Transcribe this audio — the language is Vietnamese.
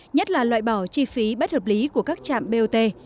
nhất là loại bỏ chi phí bất hợp lý của các trạm bot